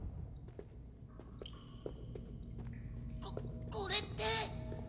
ここれって。